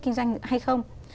kinh doanh hay không